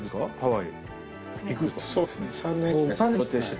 はい。